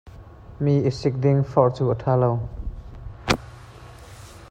Mi i sik ding forh cu a ṭha lo.